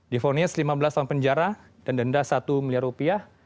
difonis lima belas tahun penjara dan denda satu miliar rupiah